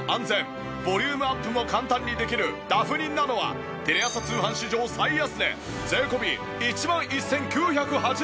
ボリュームアップも簡単にできるダフニｎａｎｏはテレ朝通販史上最安値税込１万１９８０円。